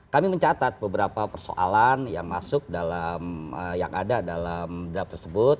kami mencatat beberapa persoalan yang masuk dalam draft tersebut